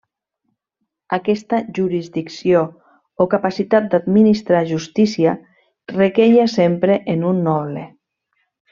Aquesta jurisdicció o capacitat d'administrar justícia requeia sempre en un noble.